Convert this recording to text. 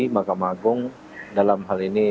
mahkamah agung dalam hal ini